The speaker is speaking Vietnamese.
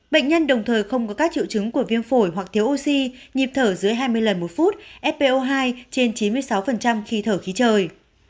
bệnh nhân đồng thời không có các triệu chứng của viêm phổi hoặc thiếu oxy nhịp thở dưới hai mươi lần một phút fpo hai trên chín mươi sáu khi thở khí trời